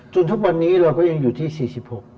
จนทุกวันนี้เราก็ยังอยู่ที่๔๖